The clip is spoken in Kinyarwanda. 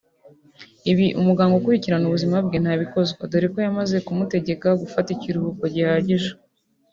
Ibi umuganga ukurikirana ubuzima bwe ntabikozwa dore ko yamaze kumutekega gufata ikiruhuko gihagije